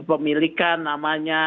sesuai pemilikan namanya